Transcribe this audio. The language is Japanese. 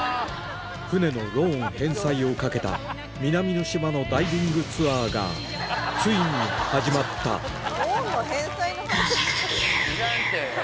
船のローン返済を懸けた南の島のダイビングツアーがついに始まったローンの返済の話。